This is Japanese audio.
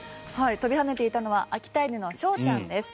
跳びはねていたのは秋田犬の翔ちゃんです。